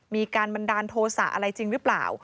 มีการบันดาลโทษะอะไรจริงหรือเปล่า